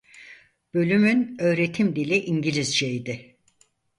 Bölümün öğretim dili İngilizceydi.